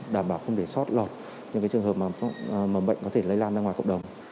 đảm bảo không để sót lọt những trường hợp mầm bệnh có thể lây lan ra ngoài cộng đồng